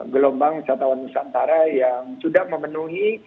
gelombang wisatawan nusantara yang sudah memenuhi